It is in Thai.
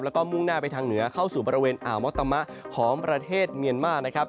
แล้วก็มุ่งหน้าไปทางเหนือเข้าสู่บริเวณอ่าวมอตามะของประเทศเมียนมานะครับ